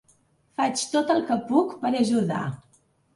Faig tot el que puc per ajudar.